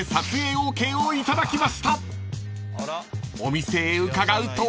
［お店へ伺うと］